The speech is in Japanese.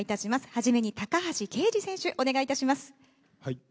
初めに高橋奎二選手、お願いいたします。